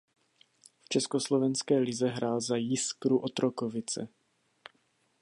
V československé lize hrál za Jiskru Otrokovice.